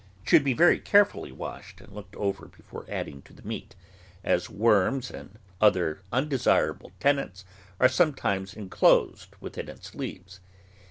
It should be very carefully washed and looked over before adding to the meat, as worms and other undesirable tenants are sometimes inclosed within its leaves.